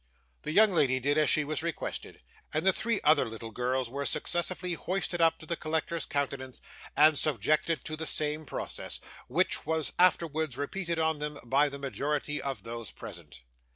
The young lady did as she was requested, and the three other little girls were successively hoisted up to the collector's countenance, and subjected to the same process, which was afterwards repeated on them by the majority of those present.